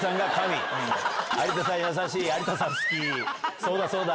「そうだそうだ」